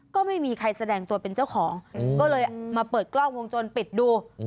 ก็ไม่มีใครแสดงตัวเป็นเจ้าของก็เลยมาเปิดกล้องวงจรปิดดู